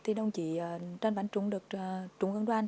thì đồng chí trần văn trung được trung ương đoàn